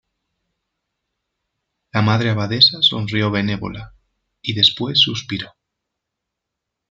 la Madre Abadesa sonrió benévola, y después suspiró: